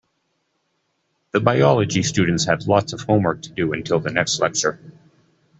The biology students had lots of homework to do until the next lecture.